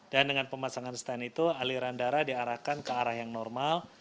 dan dengan pemasangan stand itu aliran darah diarahkan ke arah yang normal